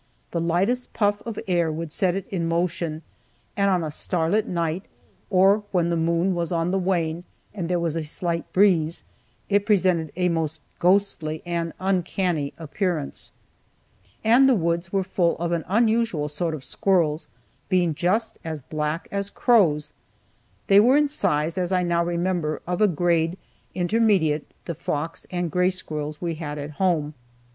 The lightest puff of air would set it in motion, and on a starlight night, or when the moon was on the wane and there was a slight breeze, it presented a most ghostly and uncanny appearance. And the woods were full of an unusual sort of squirrels, being just as black as crows. They were in size, as I now remember, of a grade intermediate the fox and gray squirrels we had at home.